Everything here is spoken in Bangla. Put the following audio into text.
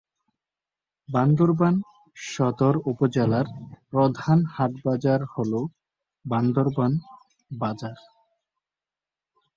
বান্দরবান সদর উপজেলার প্রধান হাট-বাজার হল বান্দরবান বাজার।